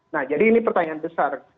nah jadi ini pertanyaan besar